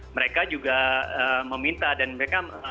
mereka juga meminta dan mereka